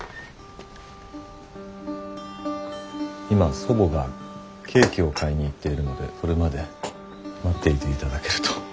今祖母がケーキを買いに行っているのでそれまで待っていて頂けると。